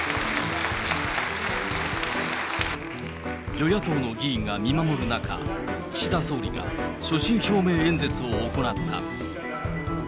与野党の議員が見守る中、岸田総理が所信表明演説を行った。